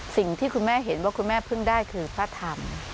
สิ่งที่คุณแม่เห็นว่าคุณแม่เพิ่งได้คือพระธรรม